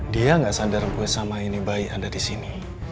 dia gak sadar gue sama ini bayi ada disini